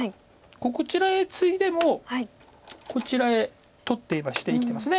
こちらへツイでもこちらへ取っていれば生きてますね。